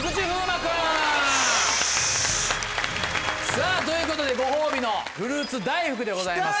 さぁということでご褒美のフルーツ大福でございます。